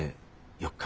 ４日？